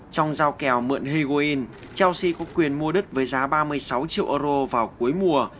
trong giao kèo mượn hegoin chelsea có quyền mua đất với giá ba mươi sáu triệu euro vào cuối mùa